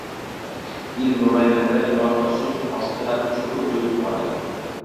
Yil mobaynida loyqa suv ostilab cho‘kib- cho‘kib qoladi.